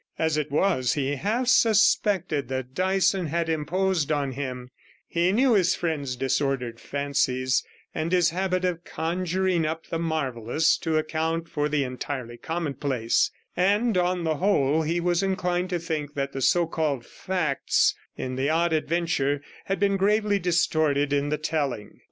As it was, he half suspected that Dyson had imposed on him; he knew his friend's disordered fancies, and his habit of conjuring up the marvellous to account for the entirely commonplace; and, on the whole, he was inclined to think that the so called facts in the odd adventure had been gravely distorted in the telling.